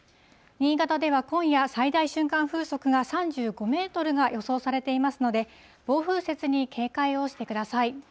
新潟では今夜、最大瞬間風速が３５メートルが予想されていますので、暴風雪に警戒をしてください。